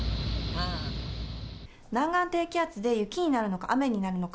南岸低気圧で雪になるのか、雨になるのか。